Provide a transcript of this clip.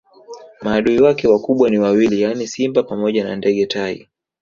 Maadui wake wakubwa ni wawili yaani simba pamoja na ndege tai